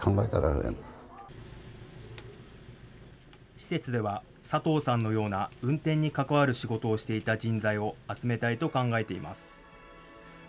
施設では佐藤さんのような運転に関わる仕事をしていた人材を集めたいと考えています。